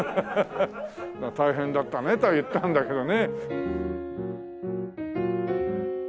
「大変だったね」とは言ったんだけどね。